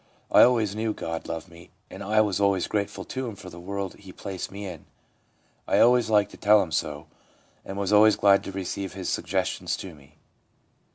I always knew God loved me, and I was always grateful to Him for the world He placed me in. I always liked to tell Him so, and was always glad to receive His suggestions to me.